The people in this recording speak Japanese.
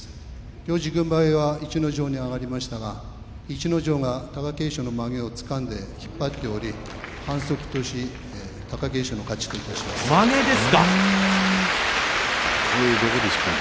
行司軍配は逸ノ城に上がりましたが、逸ノ城が貴景勝のまげをつかんで引っ張っており反則とし貴景勝の勝ちとします。